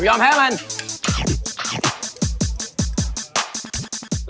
เสร็จแล้วหรือ